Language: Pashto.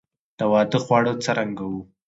د واده خواړه څرنګه وو؟